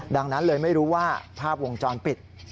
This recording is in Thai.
ดังนั้นเลยไม่รู้ว่าภาพวงจรปิด